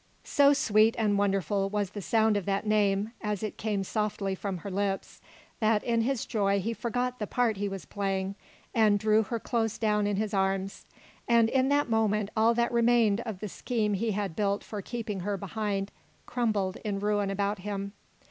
So sweet and wonderful was the sound of that name as it came softly from her lips, that in his joy he forgot the part he was playing, and drew her close down in his arms, and in that moment all that remained of the scheme he had built for keeping her behind crumbled in ruin about him.